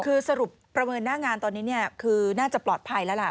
คือสรุปประเมินหน้างานตอนนี้คือน่าจะปลอดภัยแล้วล่ะ